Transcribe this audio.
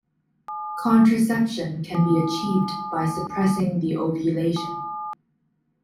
Contraception can be achieved by suppressing the ovulation.